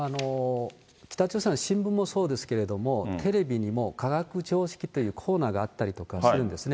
北朝鮮の新聞もそうですけれども、テレビにも、科学常識というコーナーがあったりとかするんですね。